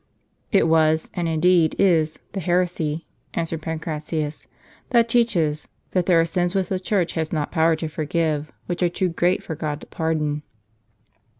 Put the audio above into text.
"It was, and indeed is, the heresy," answered Pancratius, " that teaches, that there are sins which the Church has not power to forgive ; which are too great for God to pardon."